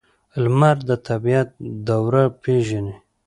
لمر د طبیعت دوره پیژني.